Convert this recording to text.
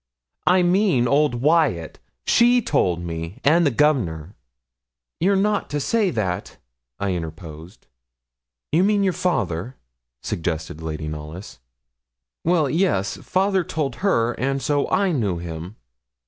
'I mean old Wyat; she told me and the Governor.' 'You're not to say that,' I interposed. 'You mean your father?' suggested Lady Knollys. 'Well, yes; father told her, and so I knew him.'